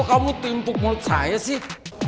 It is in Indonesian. kok kamu timpuk mulut saya sih